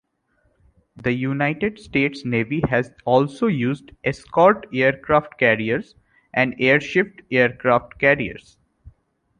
The United States Navy has also used escort aircraft carriers and airship aircraft carriers.